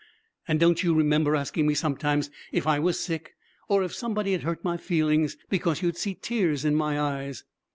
And don't you remember asking me sometimes if I was sick or if somebody had hurt my feelings, because you'd see tears in my eyes?